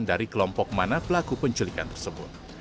dari kelompok mana pelaku penculikan tersebut